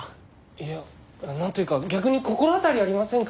いやなんというか逆に心当たりありませんかね？